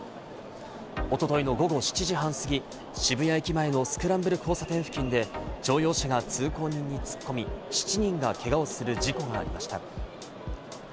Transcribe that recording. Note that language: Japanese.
おとといの午後７時半過ぎ、渋谷駅前のスクランブル交差点付近で、乗用車が通行人に突っ込み、７人がけがをする事故がありました。